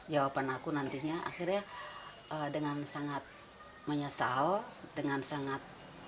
jawaban aku nantinya akhirnya dengan sangat menyesal dengan sangat